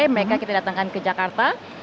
mereka kita datangkan ke jakarta